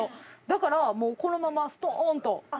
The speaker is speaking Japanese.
だからもうこのままストーンと。